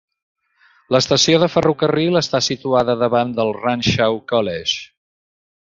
L'estació de ferrocarril està situada davant del Runshaw College.